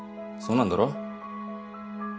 そうなんだろ？